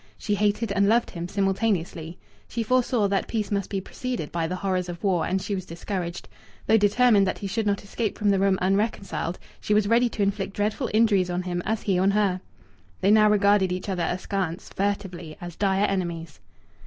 She hated and loved him simultaneously. She foresaw that peace must be preceded by the horrors of war, and she was discouraged. Though determined that he should not escape from the room unreconciled, she was ready to inflict dreadful injuries on him, as he on her. They now regarded each other askance, furtively, as dire enemies.